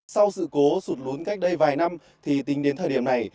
sau sự cố sụt lún cách đây vài năm thì tính đến thời điểm này